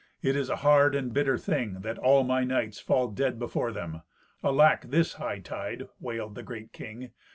It is a hard and bitter thing that all my knights fall dead before them! Alack! this hightide!" wailed the great king.